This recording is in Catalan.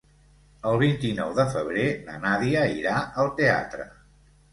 El vint-i-nou de febrer na Nàdia irà al teatre.